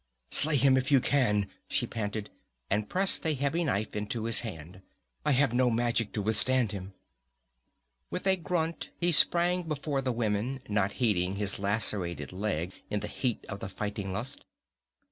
"Slay him if you can!" she panted, and pressed a heavy knife into his hand. "I have no magic to withstand him!" With a grunt he sprang before the women, not heeding his lacerated leg in the heat of the fighting lust.